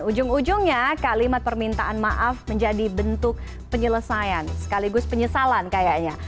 ujung ujungnya kalimat permintaan maaf menjadi bentuk penyelesaian sekaligus penyesalan kayaknya